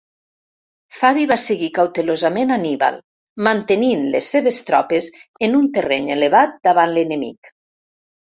Fabi va seguir cautelosament Anníbal, mantenint les seves tropes en un terreny elevat davant l'enemic.